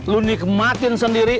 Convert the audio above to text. lo nikmatin sendiri